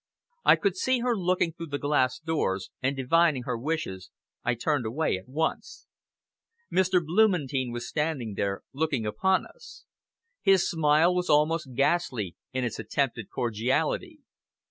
I could see her looking through the glass doors, and divining her wishes, I turned away at once. Mr. Blumentein was standing there, looking upon us. His smile was almost ghastly in its attempted cordiality.